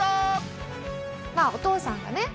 まあお父さんがね